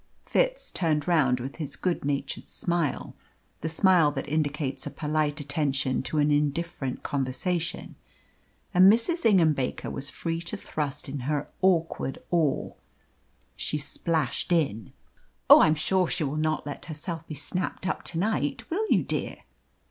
Fitz turned round with his good natured smile the smile that indicates a polite attention to an indifferent conversation and Mrs. Ingham Baker was free to thrust in her awkward oar. She splashed in. "Oh, I am sure she will not let herself be snapped up to night; will you, dear?"